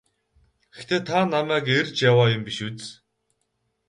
Гэхдээ та намайг эрж яваа юм биш биз?